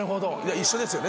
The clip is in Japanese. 一緒ですよね